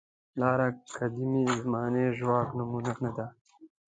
لاره قدیمې زمانې ژواک نمونه نه ده.